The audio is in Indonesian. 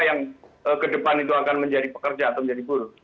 yang ke depan itu akan menjadi pekerja atau menjadi buruh